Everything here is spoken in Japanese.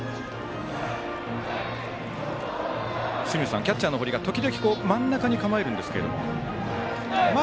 清水さん、キャッチャーの堀が時々真ん中に構えるんですけども。